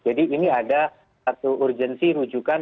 jadi ini ada satu urgensi rujukan